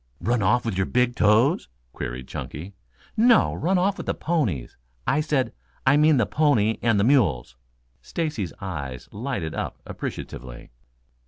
"Run off with your big toes?" queried Chunky. "No, run off with the ponies, I said I mean the pony and the mules." Stacy's eyes lighted up appreciatively.